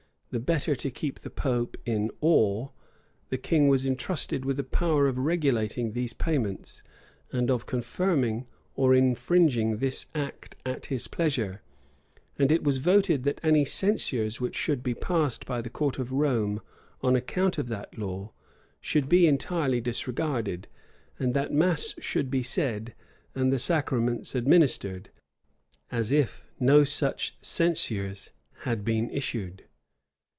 The better to keep the pope in awe, the king was intrusted with a power of regulating these payments, and of confirming or infringing this act at his pleasure; and it was voted, that any censures which should be passed by the court of Rome on account of that law, should be entirely disregarded, and that mass should be said, and the sacraments administered, as if no such censures had been issued.